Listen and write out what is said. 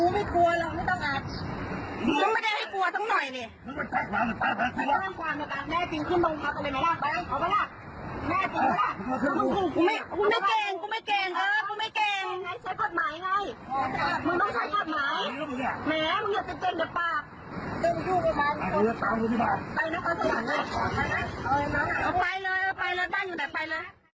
นี่ไม่ได้ให้กลัวทั้งหน่อยดิ